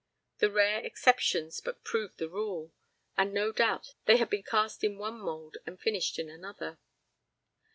The rare exceptions but proved the rule, and no doubt they had been cast in one mould and finished in another.